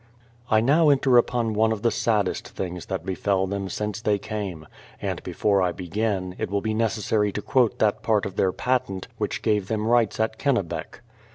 I now enter upon one of the saddest things that befell ihem since they came ; and before I begin, it will be neces sary to quote that part of their patent which gave them rights at Kennebec.